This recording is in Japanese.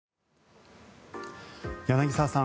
柳澤さん